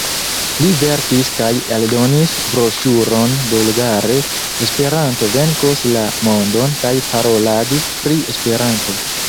Li verkis kaj eldonis broŝuron bulgare: "Esperanto venkos la mondon" kaj paroladis pri Esperanto.